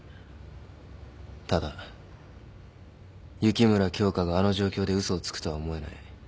ただ雪村京花があの状況で嘘をつくとは思えない。